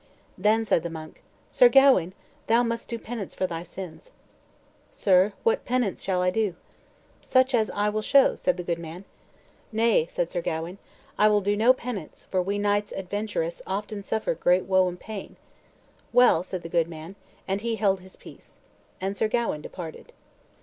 Then said the monk, "Sir Gawain, thou must do penance for thy sins." "Sir, what penance shall I do?" "Such as I will show," said the good man. "Nay," said Sir Gawain, "I will do no penance, for we knights adventurous often suffer great woe and pain." "Well," said the good man; and he held his peace. And Sir Gawain departed.